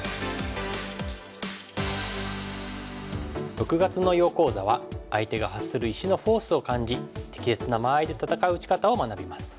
６月の囲碁講座は相手が発する石のフォースを感じ適切な間合いで戦う打ち方を学びます。